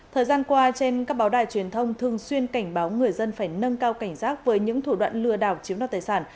thời gian qua trên các báo đài truyền thông thường xuyên cảnh báo người dân phải nâng cao cảnh giác với những thủ đoạn lừa đảo chiếm đoạt tài sản